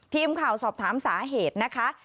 ทีมข่าวสอบถามสาเหตุนะคะ